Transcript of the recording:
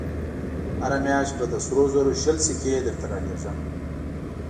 هره مياشت به د سرو زرو شل سيکې درته رالېږم.